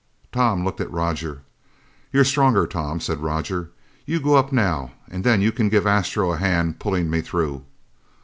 Tom looked at Roger. "You're stronger, Tom," said Roger. "You go up now and then you can give Astro a hand pulling me through."